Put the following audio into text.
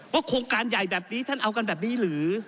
โครงการใหญ่แบบนี้ท่านเอากันแบบนี้หรือ